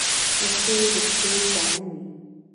• ستوري د شپې ګاڼه وي.